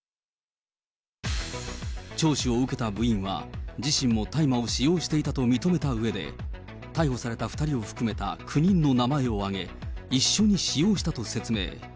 聴取を受けた部員は、自身も大麻を使用していたと認めたうえで、逮捕された２人を含めた９人の名前を挙げ、一緒に使用したと説明。